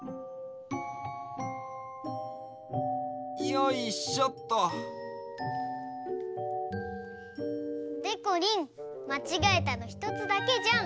よいしょっと！でこりんまちがえたのひとつだけじゃん。